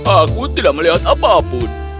aku tidak melihat apapun